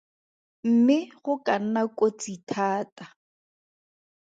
Mme go ka nna kotsi thata.